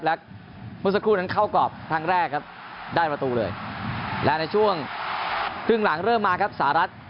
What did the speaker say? และเมื่อสักครู่นั้นเข้ากรอบครั้งแรกครับได้ประตูเลยและในช่วงครึ่งหลังเริ่มมาครับสหรัฐ